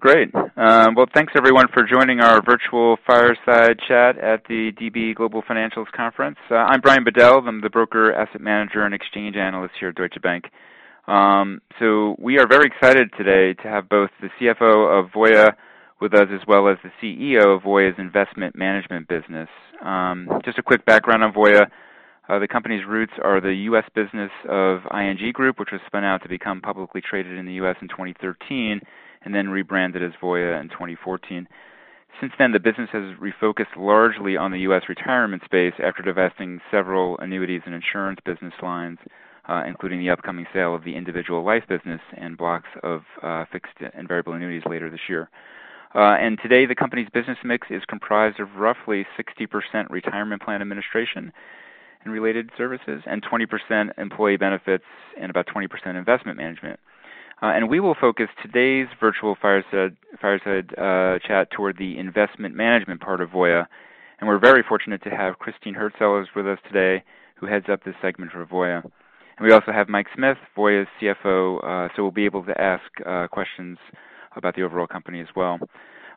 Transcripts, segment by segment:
Great. Well, thanks everyone for joining our virtual fireside chat at the DB Global Financials Conference. I'm Brian Bedell. I'm the broker asset manager and exchange analyst here at Deutsche Bank. We are very excited today to have both the CFO of Voya with us, as well as the CEO of Voya Investment Management business. Just a quick background on Voya. The company's roots are the U.S. business of ING Group, which was spun out to become publicly traded in the U.S. in 2013, and then rebranded as Voya in 2014. Since then, the business has refocused largely on the U.S. retirement space after divesting several annuities and insurance business lines, including the upcoming sale of the individual life business and blocks of fixed and variable annuities later this year. Today, the company's business mix is comprised of roughly 60% retirement plan administration and related services, 20% employee benefits, and about 20% investment management. We will focus today's virtual fireside chat toward the Voya Investment Management part of Voya, and we're very fortunate to have Christine Hurtsellers is with us today, who heads up this segment for Voya. We also have Mike Smith, Voya's CFO, so we'll be able to ask questions about the overall company as well.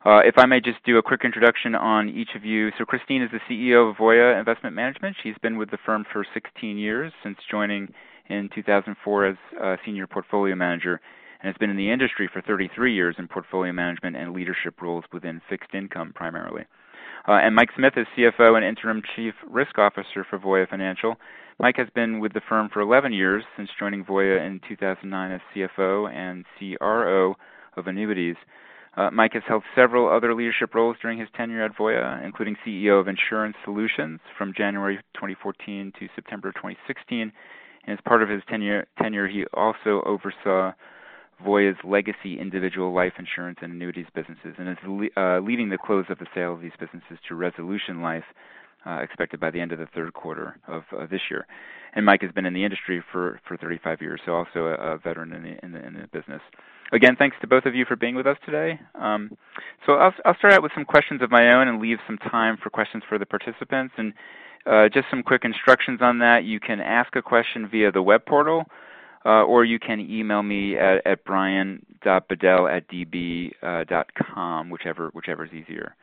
If I may just do a quick introduction on each of you. Christine is the CEO of Voya Investment Management. She's been with the firm for 16 years, since joining in 2004 as senior portfolio manager, and has been in the industry for 33 years in portfolio management and leadership roles within fixed income primarily. Mike Smith is CFO and interim Chief Risk Officer for Voya Financial. Mike has been with the firm for 11 years, since joining Voya in 2009 as CFO and CRO of annuities. Mike has held several other leadership roles during his tenure at Voya, including CEO of Insurance Solutions from January 2014 to September 2016. As part of his tenure, he also oversaw Voya's legacy individual life insurance and annuities businesses, and is leading the close of the sale of these businesses to Resolution Life, expected by the end of the third quarter of this year. Mike has been in the industry for 35 years, so also a veteran in the business. Again, thanks to both of you for being with us today. I'll start out with some questions of my own and leave some time for questions for the participants. Just some quick instructions on that. You can ask a question via the web portal, or you can email me at brian.bedell@db.com, whichever is easier.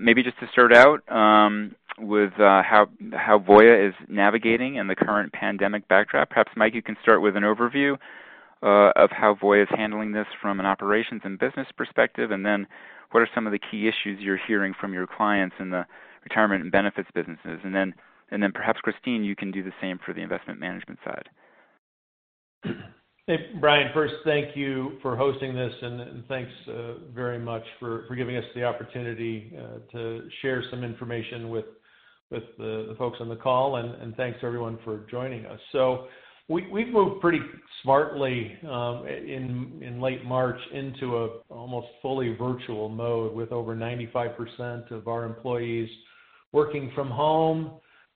Maybe just to start out with how Voya is navigating in the current pandemic backdrop. Perhaps, Mike, you can start with an overview of how Voya is handling this from an operations and business perspective, and then what are some of the key issues you're hearing from your clients in the retirement and benefits businesses. Then perhaps, Christine, you can do the same for the investment management side. Brian, First, thank you for hosting this, and thanks very much for giving us the opportunity to share some information with the folks on the call. Thanks to everyone for joining us. We moved pretty smartly, in late March, into an almost fully virtual mode, with over 95% of our employees working from home.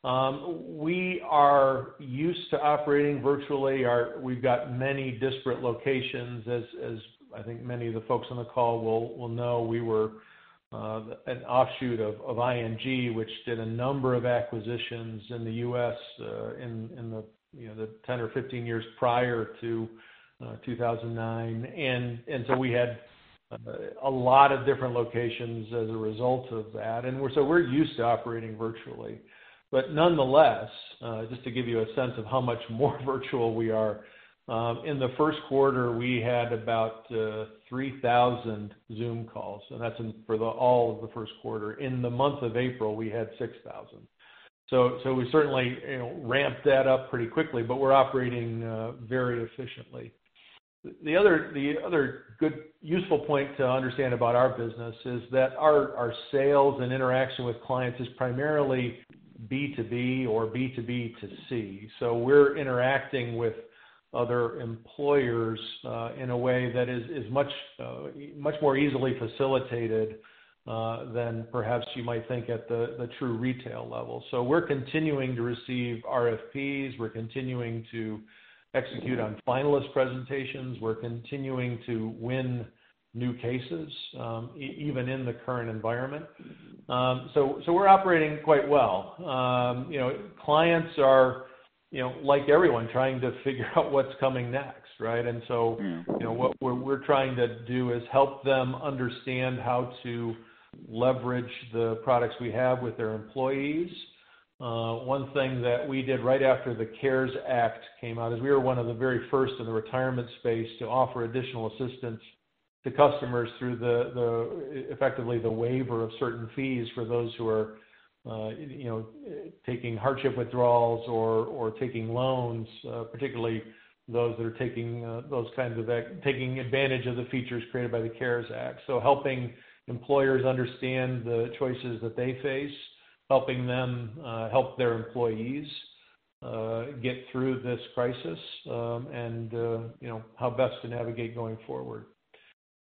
We are used to operating virtually. We've got many disparate locations, as I think many of the folks on the call will know. We were an offshoot of ING, which did a number of acquisitions in the U.S. in the 10 or 15 years prior to 2009. We had a lot of different locations as a result of that, and so we're used to operating virtually. Nonetheless, just to give you a sense of how much more virtual we are, in the first quarter, we had about 3,000 Zoom calls, and that's for all of the first quarter. In the month of April, we had 6,000. We certainly ramped that up pretty quickly, but we're operating very efficiently. The other good, useful point to understand about our business is that our sales and interaction with clients is primarily B2B or B2B2C. We're interacting with other employers in a way that is much more easily facilitated than perhaps you might think at the true retail level. We're continuing to receive RFPs. We're continuing to execute on finalist presentations. We're continuing to win new cases, even in the current environment. We're operating quite well. Clients are, like everyone, trying to figure out what's coming next, right? What we're trying to do is help them understand how to leverage the products we have with their employees. One thing that we did right after the CARES Act came out is we were one of the very first in the retirement space to offer additional assistance to customers through effectively the waiver of certain fees for those who are taking hardship withdrawals or taking loans, particularly those that are taking advantage of the features created by the CARES Act. Helping employers understand the choices that they face, helping them help their employees get through this crisis, and how best to navigate going forward.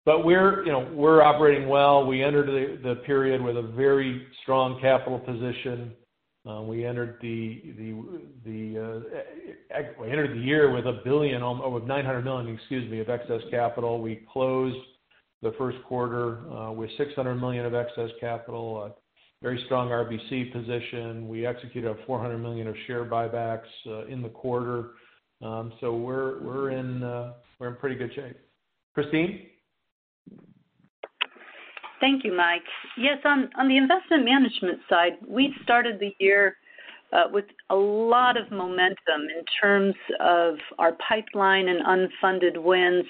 We're operating well. We entered the period with a very strong capital position. We entered the year with $900 million of excess capital. We closed the first quarter with $600 million of excess capital, a very strong RBC position. We executed a $400 million of share buybacks in the quarter. We're in pretty good shape. Christine? Thank you, Mike. Yes. On the investment management side, we started the year with a lot of momentum in terms of our pipeline and unfunded wins.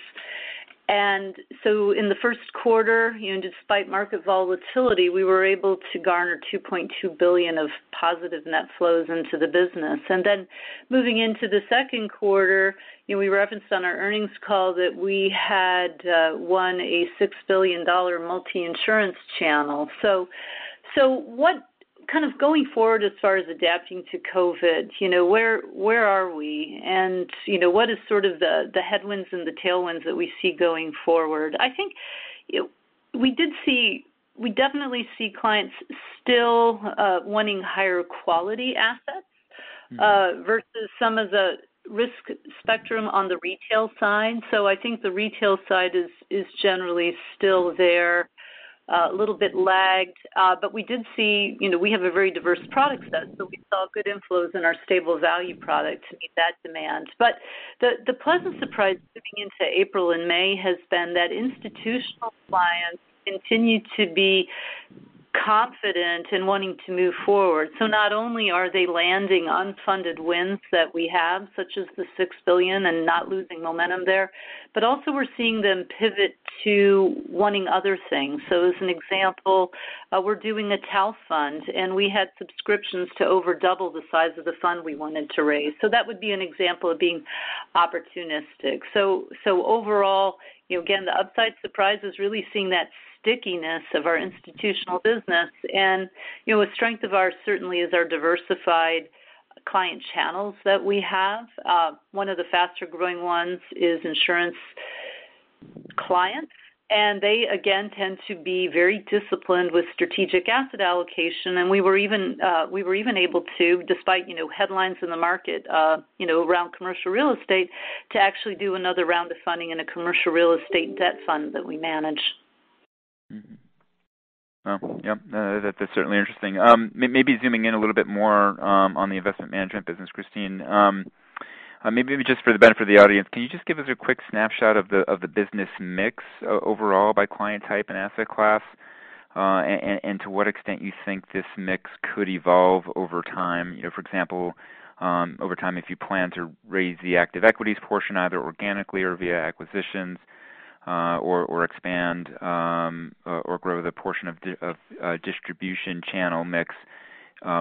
In the first quarter, despite market volatility, we were able to garner $2.2 billion of positive net flows into the business. Moving into the second quarter, we referenced on our earnings call that we had won a $6 billion multi-insurance channel. Going forward, as far as adapting to COVID, where are we? What is sort of the headwinds and the tailwinds that we see going forward? I think we definitely see clients still wanting higher quality assets versus some of the risk spectrum on the retail side. I think the retail side is generally still there, a little bit lagged. We have a very diverse product set, so we saw good inflows in our stable value product to meet that demand. The pleasant surprise looking into April and May has been that institutional clients continue to be confident in wanting to move forward. Not only are they landing unfunded wins that we have, such as the $6 billion and not losing momentum there, but also we're seeing them pivot to wanting other things. As an example, we're doing a TALF fund, and we had subscriptions to over double the size of the fund we wanted to raise. That would be an example of being opportunistic. Overall, again, the upside surprise is really seeing that stickiness of our institutional business. A strength of ours certainly is our diversified client channels that we have. One of the faster-growing ones is insurance clients, and they, again, tend to be very disciplined with strategic asset allocation. We were even able to, despite headlines in the market around commercial real estate, to actually do another round of funding in a commercial real estate debt fund that we manage. Mm-hmm. Yep. That's certainly interesting. Maybe zooming in a little bit more on the investment management business, Christine. Maybe just for the benefit of the audience, can you just give us a quick snapshot of the business mix overall by client type and asset class? To what extent you think this mix could evolve over time. For example, over time, if you plan to raise the active equities portion either organically or via acquisitions, or expand or grow the portion of distribution channel mix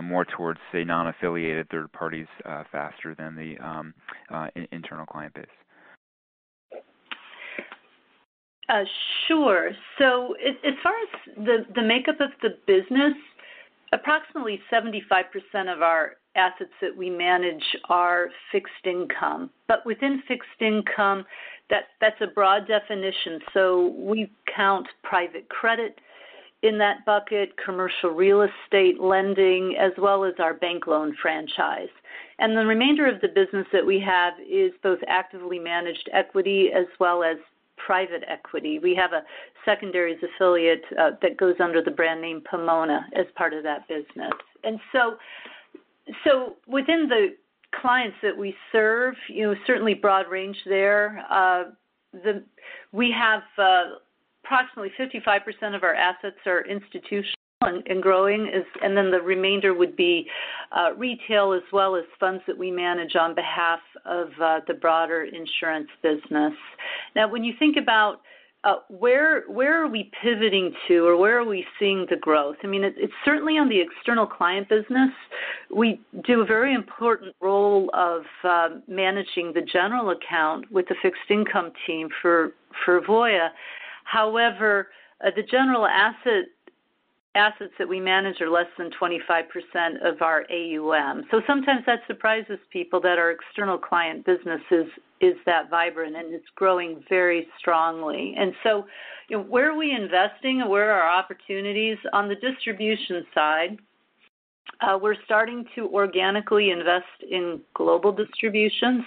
more towards, say, non-affiliated third parties faster than the internal client base. Sure. As far as the makeup of the business, approximately 75% of our assets that we manage are fixed income. Within fixed income, that's a broad definition. We count private credit in that bucket, commercial real estate lending, as well as our bank loan franchise. The remainder of the business that we have is both actively managed equity as well as private equity. We have a secondaries affiliate that goes under the brand name Pomona as part of that business. Within the clients that we serve, certainly broad range there. Approximately 55% of our assets are institutional and growing. The remainder would be retail as well as funds that we manage on behalf of the broader insurance business. When you think about where are we pivoting to, or where are we seeing the growth, it's certainly on the external client business. We do a very important role of managing the general account with the fixed income team for Voya. However, the general assets that we manage are less than 25% of our AUM. Sometimes that surprises people that our external client business is that vibrant, and it's growing very strongly. Where are we investing and where are our opportunities on the distribution side? We're starting to organically invest in global distribution.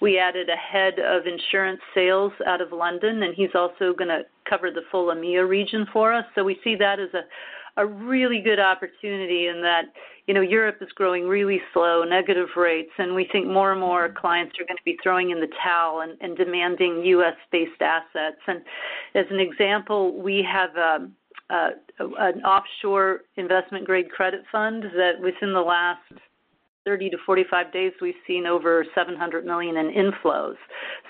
We added a head of insurance sales out of London, and he's also going to cover the full EMEA region for us. We see that as a really good opportunity in that Europe is growing really slow, negative rates, and we think more and more clients are going to be throwing in the towel and demanding U.S.-based assets. As an example, we have an offshore investment-grade credit fund that within the last 30 to 45 days, we've seen over $700 million in inflows.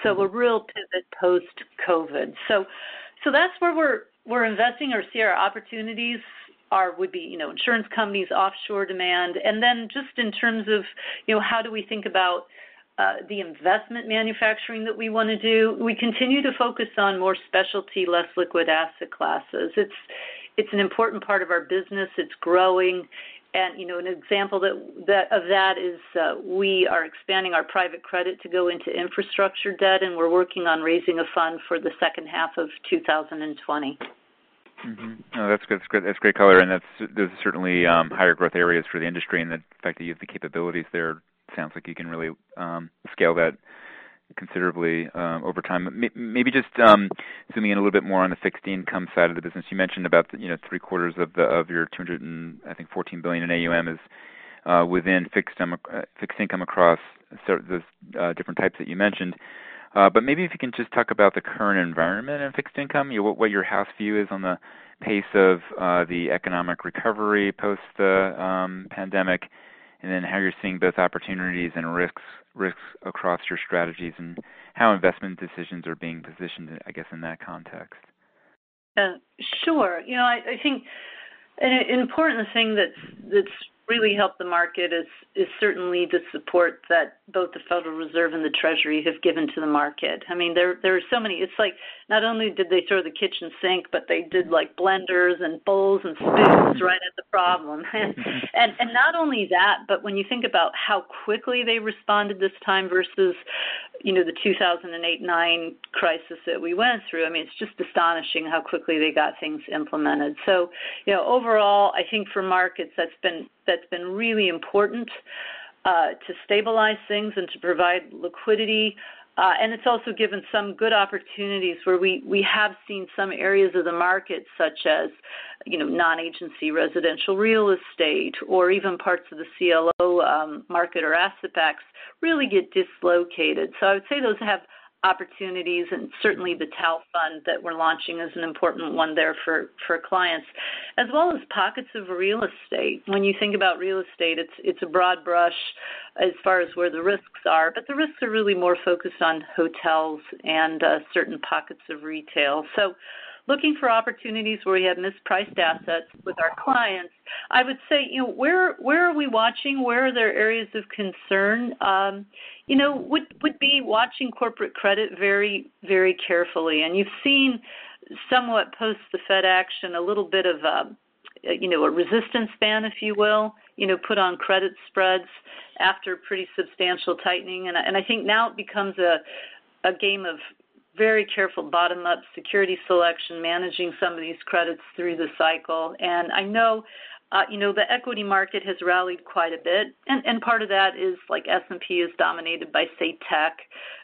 A real pivot post-COVID. That's where we're investing or see our opportunities would be insurance companies, offshore demand. Just in terms of how do we think about the investment manufacturing that we want to do, we continue to focus on more specialty, less liquid asset classes. It's an important part of our business. It's growing. An example of that is we are expanding our private credit to go into infrastructure debt, and we're working on raising a fund for the second half of 2020. That's great color, those are certainly higher growth areas for the industry, the fact that you have the capabilities there sounds like you can really scale that considerably over time. Maybe just zooming in a little bit more on the fixed income side of the business. You mentioned about three-quarters of your $214 billion in AUM is within fixed income across the different types that you mentioned. Maybe if you can just talk about the current environment in fixed income, what your house view is on the pace of the economic recovery post the pandemic, how you're seeing both opportunities and risks across your strategies, how investment decisions are being positioned, I guess, in that context. Sure. I think an important thing that's really helped the market is certainly the support that both the Federal Reserve and the Treasury have given to the market. It's like not only did they throw the kitchen sink, but they did blenders and bowls and spoons right at the problem. Not only that, when you think about how quickly they responded this time versus the 2008 and 2009 crisis that we went through, it's just astonishing how quickly they got things implemented. Overall, I think for markets, that's been really important to stabilize things and to provide liquidity. It's also given some good opportunities where we have seen some areas of the market such as non-agency residential real estate, or even parts of the CLO market or asset backs really get dislocated. I would say those have opportunities, and certainly the TALF fund that we're launching is an important one there for clients, as well as pockets of real estate. You think about real estate, it's a broad brush as far as where the risks are, but the risks are really more focused on hotels and certain pockets of retail. Looking for opportunities where we have mispriced assets with our clients. I would say, where are we watching? Where are there areas of concern? Would be watching corporate credit very carefully. You've seen somewhat post the Fed action, a little bit of a resistance band, if you will, put on credit spreads after pretty substantial tightening. I think now it becomes a game of very careful bottom-up security selection, managing some of these credits through the cycle. I know the equity market has rallied quite a bit, and part of that is S&P is dominated by, say, tech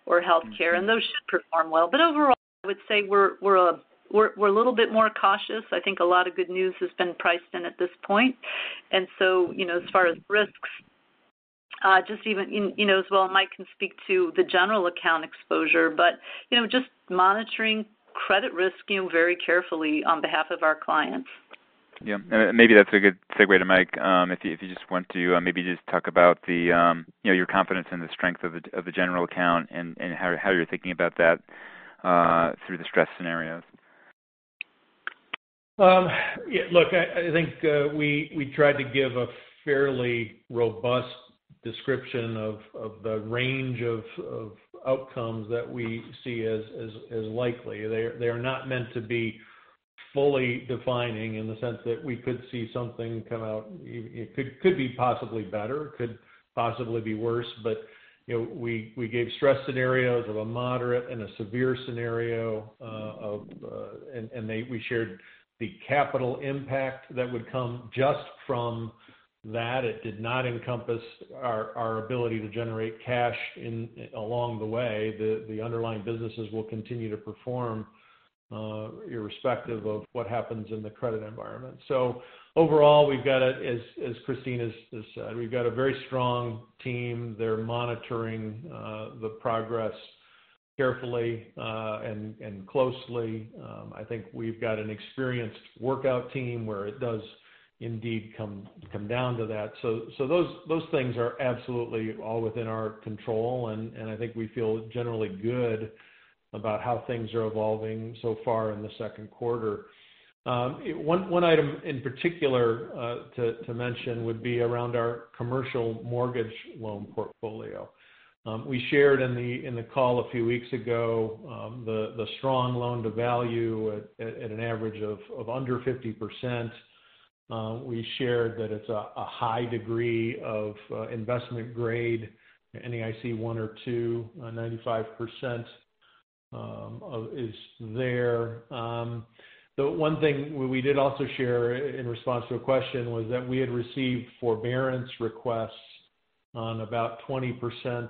or healthcare, and those should perform well. Overall, I would say we're a little bit more cautious. I think a lot of good news has been priced in at this point. As far as risks, as well, Mike can speak to the general account exposure, but just monitoring credit risk very carefully on behalf of our clients. Yeah. Maybe that's a good segue to Mike. If you just want to maybe just talk about your confidence in the strength of the general account and how you're thinking about that through the stress scenarios. We tried to give a fairly robust description of the range of outcomes that we see as likely. They are not meant to be fully defining in the sense that we could see something come out. It could be possibly better, could possibly be worse. We gave stress scenarios of a moderate and a severe scenario, and we shared the capital impact that would come just from that. It did not encompass our ability to generate cash along the way. The underlying businesses will continue to perform irrespective of what happens in the credit environment. Overall, as Christine has said, we've got a very strong team. They're monitoring the progress carefully and closely. I think we've got an experienced workout team where it does indeed come down to that. Those things are absolutely all within our control, and I think we feel generally good about how things are evolving so far in the second quarter. One item in particular to mention would be around our commercial mortgage loan portfolio. We shared in the call a few weeks ago the strong loan-to-value at an average of under 50%. We shared that it's a high degree of investment-grade, NAIC 1 or 2, 95% is there. The one thing we did also share in response to a question was that we had received forbearance requests on about 20%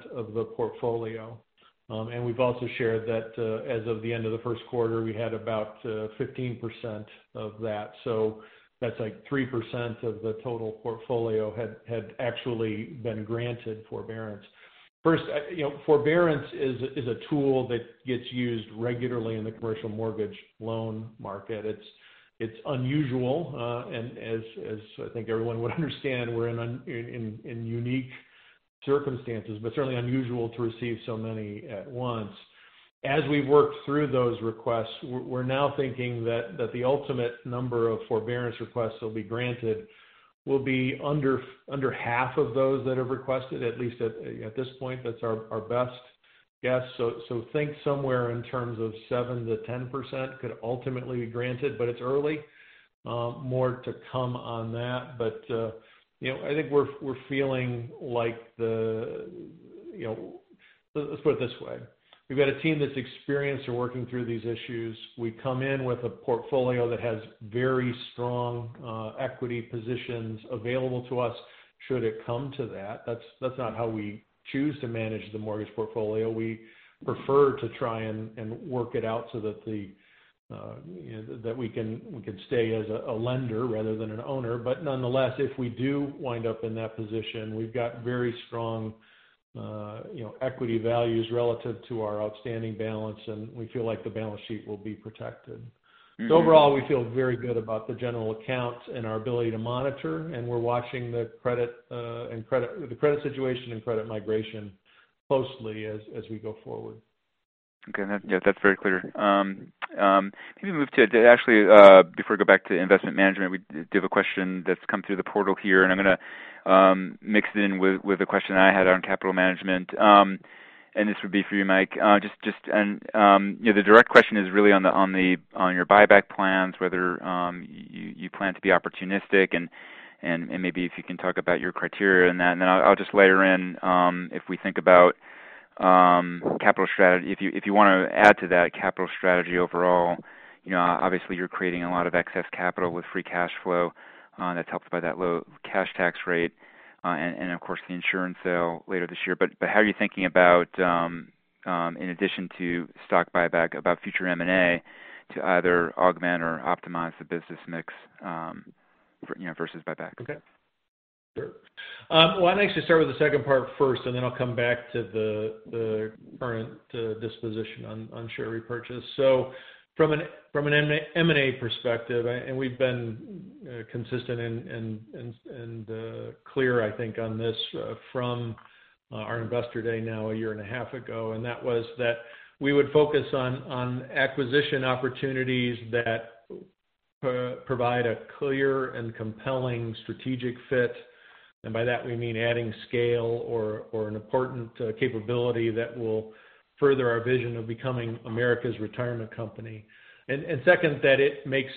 of the portfolio. We've also shared that as of the end of the first quarter, we had about 15% of that. That's like 3% of the total portfolio had actually been granted forbearance. Forbearance is a tool that gets used regularly in the commercial mortgage loan market. It's unusual, and as I think everyone would understand, we're in unique circumstances, but certainly unusual to receive so many at once. As we've worked through those requests, we're now thinking that the ultimate number of forbearance requests that will be granted will be under half of those that have requested, at least at this point. That's our best guess. Think somewhere in terms of 7%-10% could ultimately be granted, but it's early. More to come on that. Let's put it this way. We've got a team that's experienced in working through these issues. We come in with a portfolio that has very strong equity positions available to us should it come to that. That's not how we choose to manage the mortgage portfolio. We prefer to try and work it out so that we can stay as a lender rather than an owner. Nonetheless, if we do wind up in that position, we've got very strong equity values relative to our outstanding balance, and we feel like the balance sheet will be protected. Overall, we feel very good about the general accounts and our ability to monitor, and we're watching the credit situation and credit migration closely as we go forward. Okay. Yeah, that's very clear. Maybe move to, actually, before I go back to investment management, we do have a question that's come through the portal here, and I'm going to mix it in with a question I had on capital management. This would be for you, Mike. The direct question is really on your buyback plans, whether you plan to be opportunistic, and maybe if you can talk about your criteria in that. Then I'll just layer in, if we think about capital strategy. If you want to add to that capital strategy overall, obviously you're creating a lot of excess capital with free cash flow that's helped by that low cash tax rate, and of course the insurance sale later this year. But how are you thinking about, in addition to stock buyback, about future M&A to either augment or optimize the business mix versus buyback? Okay. Sure. Well, I'd actually start with the second part first, then I'll come back to the current disposition on share repurchase. From an M&A perspective, we've been consistent and clear, I think, on this from our investor day now a year and a half ago, and that was that we would focus on acquisition opportunities that provide a clear and compelling strategic fit. By that we mean adding scale or an important capability that will further our vision of becoming America's Retirement Company. Second, that it makes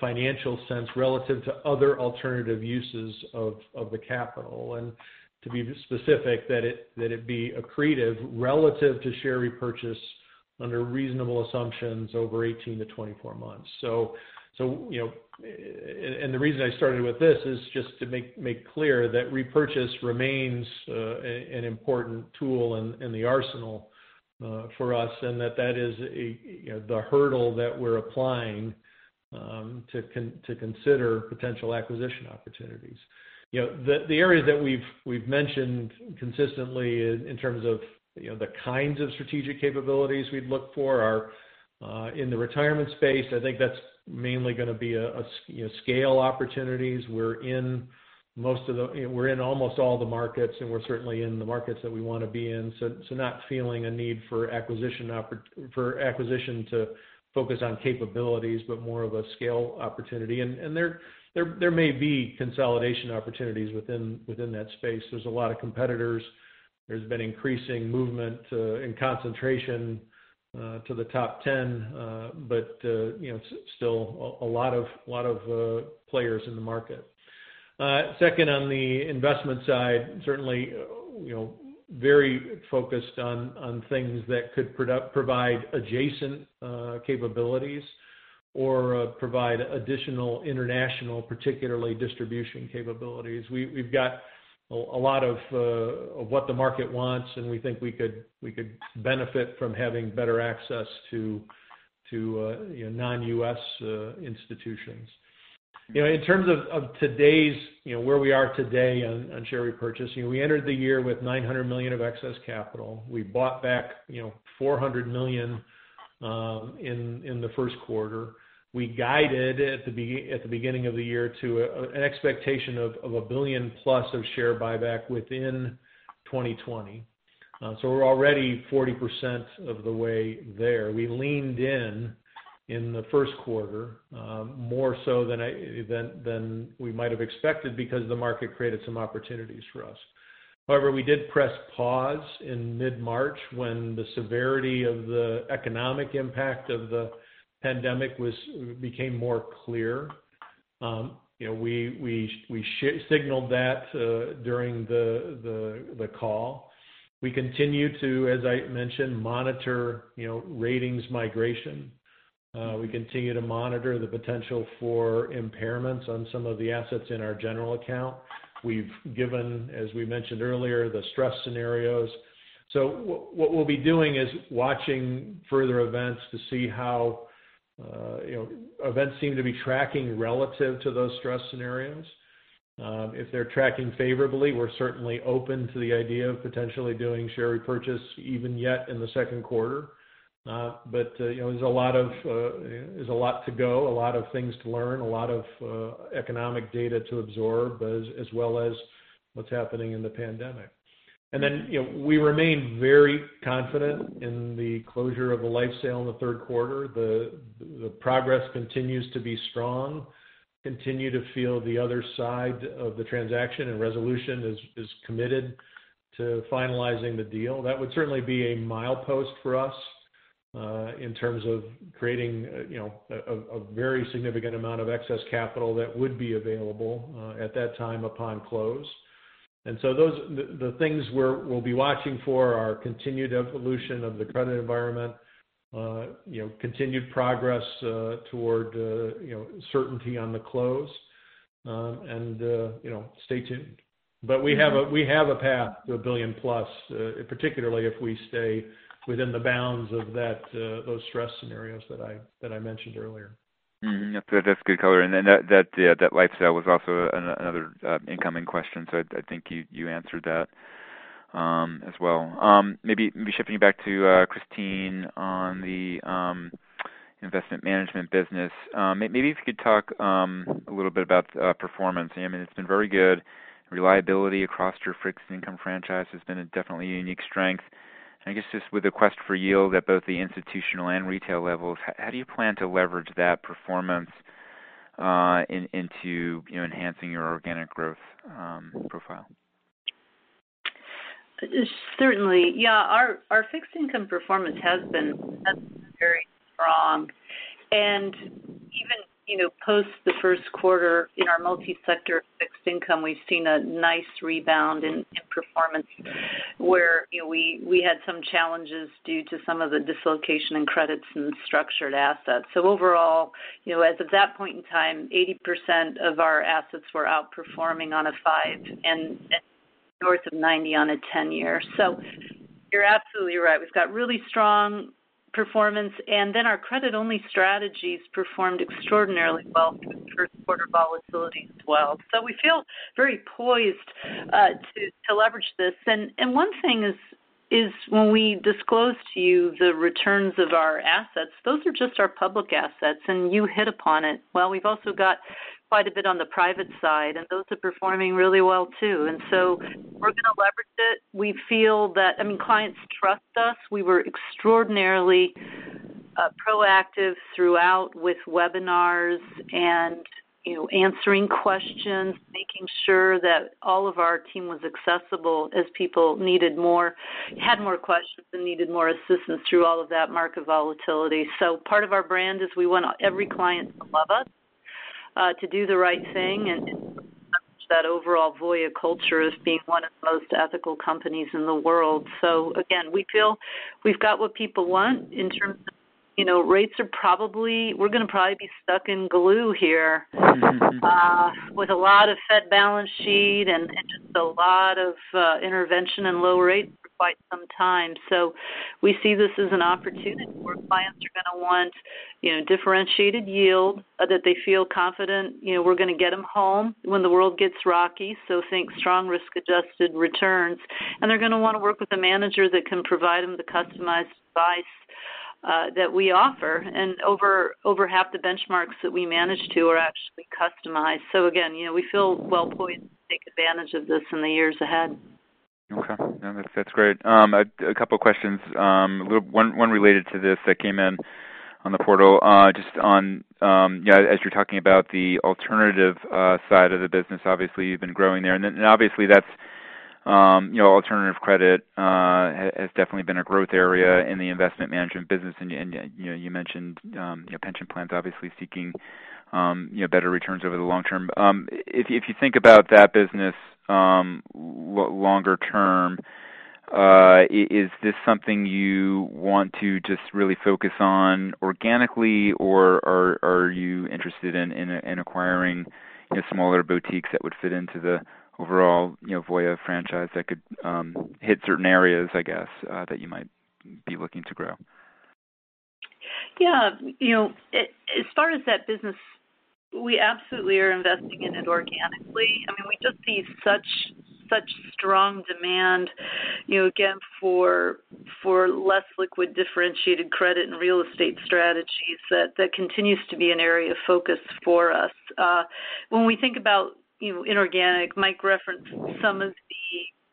financial sense relative to other alternative uses of the capital, and to be specific, that it'd be accretive relative to share repurchase under reasonable assumptions over 18 to 24 months. The reason I started with this is just to make clear that repurchase remains an important tool in the arsenal for us, and that is the hurdle that we're applying to consider potential acquisition opportunities. The areas that we've mentioned consistently in terms of the kinds of strategic capabilities we'd look for are in the retirement space. I think that's mainly going to be scale opportunities. We're in almost all the markets, and we're certainly in the markets that we want to be in. Not feeling a need for acquisition to focus on capabilities, but more of a scale opportunity. There may be consolidation opportunities within that space. There's a lot of competitors. There's been increasing movement in concentration to the top 10. Still a lot of players in the market. Second, on the investment side, certainly very focused on things that could provide adjacent capabilities or provide additional international, particularly distribution capabilities. We've got a lot of what the market wants, and we think we could benefit from having better access to non-U.S. institutions. In terms of where we are today on share repurchase, we entered the year with $900 million of excess capital. We bought back $400 million in the first quarter. We guided at the beginning of the year to an expectation of a billion plus of share buyback within 2020. We're already 40% of the way there. We leaned in in the first quarter, more so than we might have expected because the market created some opportunities for us. We did press pause in mid-March when the severity of the economic impact of the pandemic became more clear. We signaled that during the call. We continue to, as I mentioned, monitor ratings migration. We continue to monitor the potential for impairments on some of the assets in our general account. We've given, as we mentioned earlier, the stress scenarios. What we'll be doing is watching further events to see how events seem to be tracking relative to those stress scenarios. If they're tracking favorably, we're certainly open to the idea of potentially doing share repurchase even yet in the second quarter. There's a lot to go, a lot of things to learn, a lot of economic data to absorb, as well as what's happening in the pandemic. We remain very confident in the closure of the life sale in the third quarter. The progress continues to be strong. Continue to feel the other side of the transaction, and Resolution is committed to finalizing the deal. That would certainly be a milepost for us in terms of creating a very significant amount of excess capital that would be available at that time upon close. The things we'll be watching for are continued evolution of the credit environment, continued progress toward certainty on the close, and stay tuned. We have a path to a billion plus, particularly if we stay within the bounds of those stress scenarios that I mentioned earlier. That's good color. That life sale was also another incoming question. I think you answered that as well. Maybe shifting back to Christine on the investment management business. Maybe if you could talk a little bit about performance. It's been very good. Reliability across your fixed income franchise has been a definitely unique strength. I guess just with the quest for yield at both the institutional and retail levels, how do you plan to leverage that performance into enhancing your organic growth profile? Certainly. Yeah, our fixed income performance has been very strong. Even, post the first quarter in our multi-sector fixed income, we've seen a nice rebound in performance where we had some challenges due to some of the dislocation in credits and structured assets. Overall, as of that point in time, 80% of our assets were outperforming on a five and north of 90 on a 10 year. You're absolutely right. We've got really strong performance, and then our credit-only strategies performed extraordinarily well through the first quarter volatility as well. We feel very poised to leverage this. One thing is when we disclose to you the returns of our assets, those are just our public assets, and you hit upon it. Well, we've also got quite a bit on the private side, and those are performing really well too. We're going to leverage that. We feel that clients trust us. We were extraordinarily proactive throughout with webinars and answering questions, making sure that all of our team was accessible as people had more questions and needed more assistance through all of that market volatility. Part of our brand is we want every client to love us, to do the right thing, and that overall Voya culture as being one of the most ethical companies in the world. Again, we feel we've got what people want in terms of rates are probably, we're going to probably be stuck in glue here with a lot of Fed balance sheet and just a lot of intervention and low rates for quite some time. We see this as an opportunity where clients are going to want differentiated yield that they feel confident we're going to get them home when the world gets rocky. Think strong risk-adjusted returns, and they're going to want to work with a manager that can provide them the customized advice that we offer. Over half the benchmarks that we manage to are actually customized. Again, we feel well-poised to take advantage of this in the years ahead. Okay. No, that's great. A couple questions. One related to this that came in on the portal, just on as you're talking about the alternative side of the business, obviously you've been growing there. Obviously that's alternative credit has definitely been a growth area in the investment management business. You mentioned pension plans obviously seeking better returns over the long term. If you think about that business longer term, is this something you want to just really focus on organically or are you interested in acquiring smaller boutiques that would fit into the overall Voya franchise that could hit certain areas, I guess, that you might be looking to grow? Yeah. As far as that business, we absolutely are investing in it organically. We just see such strong demand, again, for less liquid differentiated credit and real estate strategies that continues to be an area of focus for us. When we think about inorganic, Mike referenced some of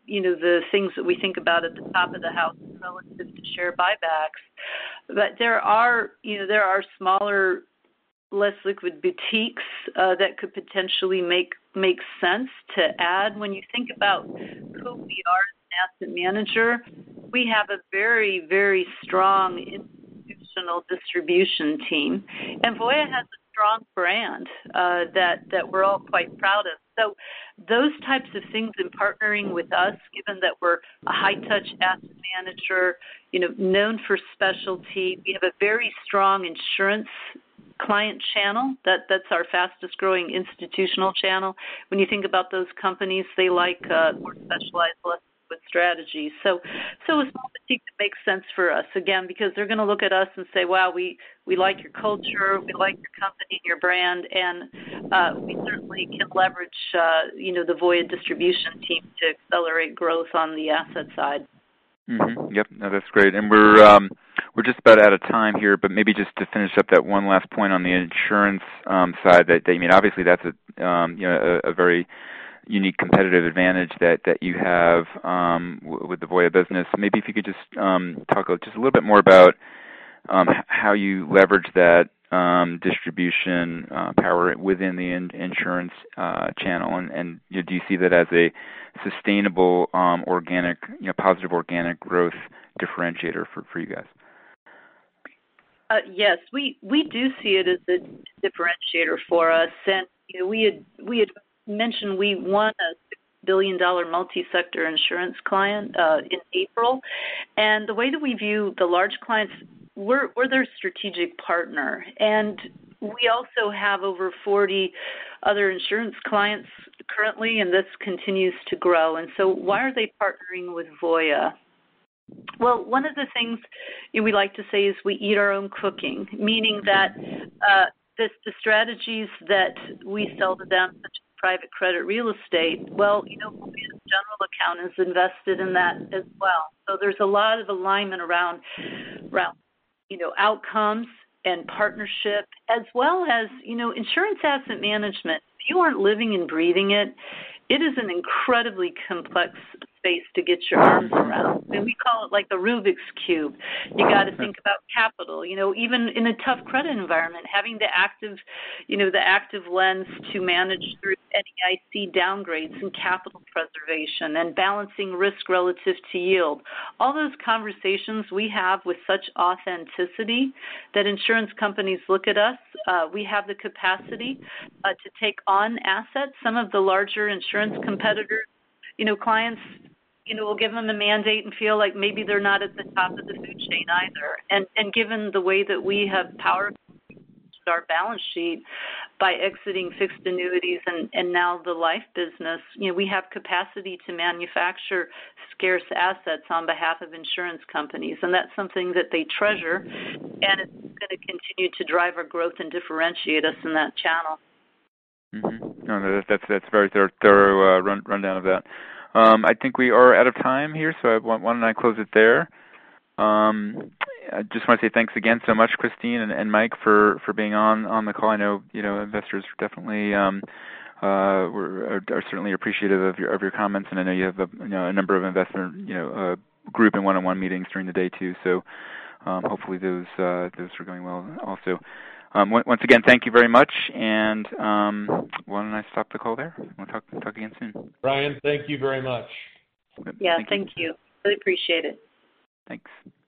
the things that we think about at the top of the house relative to share buybacks. There are smaller, less liquid boutiques that could potentially make sense to add. When you think about who we are as an asset manager, we have a very, very strong institutional distribution team, and Voya has a strong brand that we're all quite proud of. Those types of things in partnering with us, given that we're a high touch asset manager, known for specialty, we have a very strong insurance client channel. That's our fastest growing institutional channel. When you think about those companies, they like more specialized, less liquid strategies. A small boutique that makes sense for us, again, because they're going to look at us and say, "Wow, we like your culture, we like your company and your brand," and we certainly can leverage the Voya distribution team to accelerate growth on the asset side. Mm-hmm. Yep. No, that's great. We're just about out of time here, maybe just to finish up that one last point on the insurance side, that obviously that's a very unique competitive advantage that you have with the Voya business. Maybe if you could just talk just a little bit more about how you leverage that distribution power within the insurance channel, do you see that as a sustainable positive organic growth differentiator for you guys? Yes. We do see it as a differentiator for us. We had mentioned we won a $6 billion multi-sector insurance client in April. The way that we view the large clients, we're their strategic partner, we also have over 40 other insurance clients currently, this continues to grow. Why are they partnering with Voya? Well, one of the things we like to say is we eat our own cooking, meaning that the strategies that we sell to them, such as private credit real estate, well, Voya's general account is invested in that as well. There's a lot of alignment around outcomes and partnership as well as insurance asset management. If you aren't living and breathing it is an incredibly complex space to get your arms around, and we call it like the Rubik's Cube. You got to think about capital. Even in a tough credit environment, having the active lens to manage through any NAIC downgrades and capital preservation and balancing risk relative to yield. All those conversations we have with such authenticity that insurance companies look at us. We have the capacity to take on assets. Some of the larger insurance competitors, clients will give them the mandate and feel like maybe they're not at the top of the food chain either. Given the way that we have powered our balance sheet by exiting fixed annuities and now the life business, we have capacity to manufacture scarce assets on behalf of insurance companies. That's something that they treasure, and it's going to continue to drive our growth and differentiate us in that channel. That's a very thorough rundown of that. I think we are out of time here, so why don't I close it there? I just want to say thanks again so much, Christine and Mike, for being on the call. I know investors definitely are certainly appreciative of your comments, and I know you have a number of investor group and one-on-one meetings during the day too. Hopefully those are going well also. Once again, thank you very much. Why don't I stop the call there? We'll talk again soon. Brian, thank you very much. Thank you. Really appreciate it. Thanks. Bye.